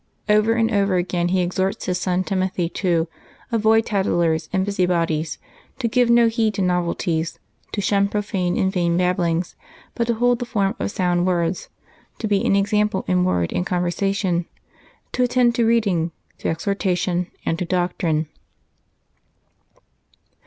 Over and over again he exhorts his son Timothy to " avoid tattlers and busy bodies; to give no heed to novelties; to shun profane and vain babblings, but to hold the form of sound words; to be an example in word and conversation; to attend to reading, to exhortation, and to doctrine."